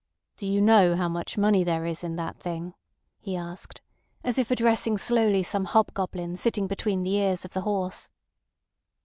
"Do you know how much money there is in that thing?" he asked, as if addressing slowly some hobgoblin sitting between the ears of the horse.